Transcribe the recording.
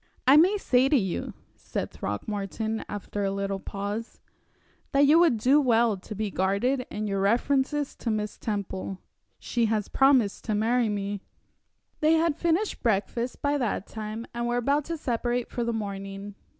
"I may say to you," said Throckmorton, after a little pause, "that you would do well to be guarded in your references to Miss Temple. She has promised to marry me." They had finished breakfast by that time, and were about to separate for the morning.